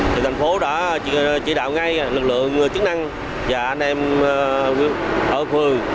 thì thành phố đã chỉ đạo ngay lực lượng chức năng và anh em ở phường